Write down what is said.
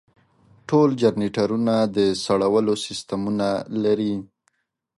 ټول جنریټرونه د سړولو سیستمونه لري.